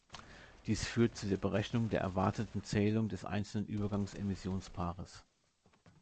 Dies führt zu der Berechnung der erwarteten Zählung des einzelnen Übergangs-Emissions-Paares.